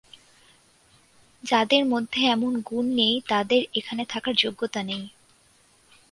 যাদের মধ্যে এমন গুণ নেই, তাদের এখানে থাকার যোগ্যতা নেই।